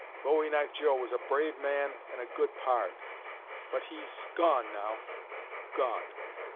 Bowie knife Joe was a brave man an' a good pard, but he's gone now gone."